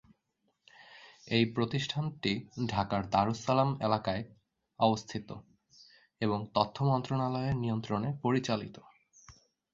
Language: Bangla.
এই প্রতিষ্ঠানটি ঢাকার দারুস সালাম এলাকায়-এ অবস্থিত এবং তথ্য মন্ত্রণালয়ের নিয়ন্ত্রণে পরিচালিত।